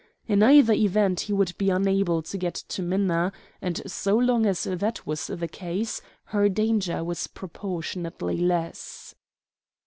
In either event he would be unable to get to Minna, and so long as that was the case her danger was proportionately less.